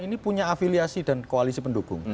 ini punya afiliasi dan koalisi pendukung